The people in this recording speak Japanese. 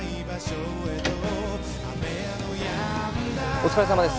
お疲れさまです！